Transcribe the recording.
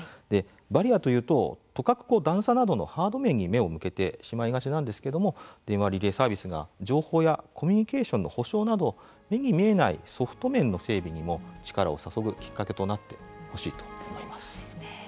バリアーというととかく段差などのハード面に目を向けてしまいがちですが電話リレーサービスが情報やコミュニケーションの保障など目に見えないソフト面の整備にも力を注ぐきっかけとなってほしいと思います。